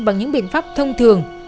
bằng những biện pháp thông thường